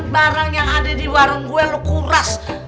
barang yang ada di warung gue lo kuras